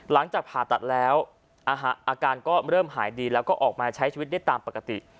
หลังจากผ่าตัดแล้วอาการก็เริ่มหายดีแล้วก็ออกมาใช้ชีวิตได้ตามปกติ